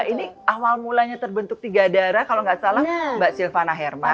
ini awal mulanya terbentuk tiga darah kalau nggak salah mbak silvana herman